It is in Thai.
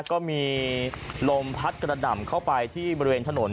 ก็มีลมพัดกระหน่ำเข้าไปที่บริเวณถนน